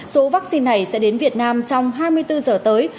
số vaccine này sẽ đến việt nam trong hai mươi bốn giờ tới